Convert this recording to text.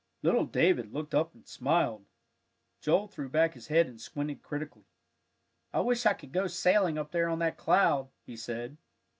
Little David looked up and smiled. Joel threw back his head and squinted critically. "I wish I could go sailing up there on that cloud," he said.